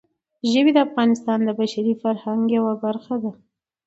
ژبې د افغانستان د بشري فرهنګ یوه برخه ده.